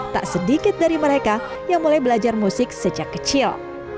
tak sedikit dari mereka yang mulai belajar musik sejak kecil